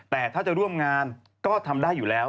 แต่ถ้าจะร่วมงานก็ทำได้อยู่แล้ว